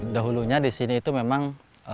dahulunya di sini itu memang